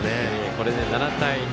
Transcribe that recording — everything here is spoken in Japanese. これで７対２。